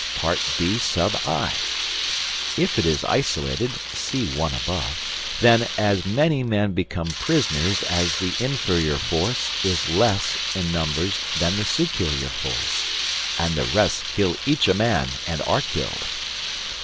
(i) If it is isolated (see (1) above), then as many men become prisoners as the inferior force is less in numbers than the superior force, and the rest kill each a man and are killed.